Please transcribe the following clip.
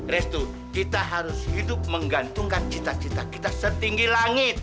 restu kita harus hidup menggantungkan cita cita kita setinggi langit